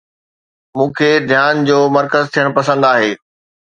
مون کي ڌيان جو مرڪز ٿيڻ پسند آهي